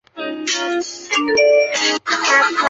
皇家芝华士兄弟创立该品牌。